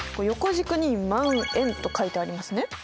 横軸に「万円」と書いてありますね。